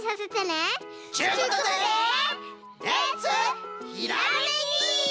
ちゅうことでレッツひらめき！